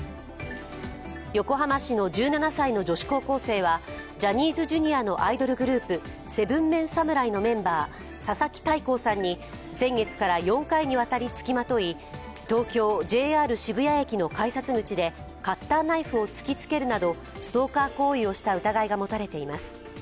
横浜市の１７歳の女子高校生は、ジャニーズＪｒ．のアイドルグループ、７ＭＥＮ侍のメンバー佐々木大光さんに先月から４回にわたりつきまとい、東京・ＪＲ渋谷駅の改札口でカッターナイフを突きつけるなどストーカー行為をした疑いが持たれています。